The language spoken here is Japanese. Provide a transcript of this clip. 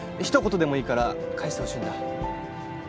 一言でもいいから返してほしいんだ。